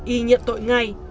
y nhận tội ngại